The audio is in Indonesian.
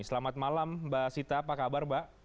selamat malam mbak sita apa kabar mbak